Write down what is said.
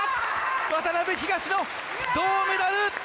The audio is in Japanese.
渡辺、東野銅メダル！